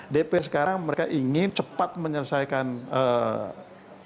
dpr sekarang mereka ingin cepat menyelesaikan sebuah rancangan